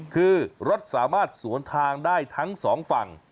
คือรถสามารถสวนทางได้ทั้งสองฝั่ง